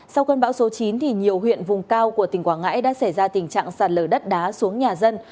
sau cơn bão số chín nhiều huyện vùng cao của tỉnh quảng ngãi đã xảy ra tình trạng sạt lở đất đá xuống nhà dân